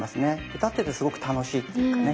歌っててすごく楽しいっていうかね。